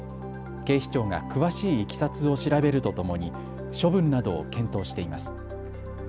警視庁が詳しいいきさつを調べるとともに処分などを検討しています。